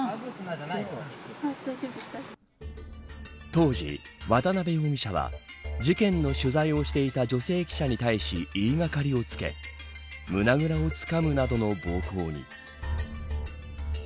当時、渡部容疑者は事件の取材をしていた女性記者に対し言いがかりをつけ胸ぐらをつかむなどの暴行に。